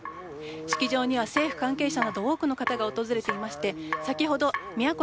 式場には政府関係者など多くの方が訪れていまして先ほど宮越肇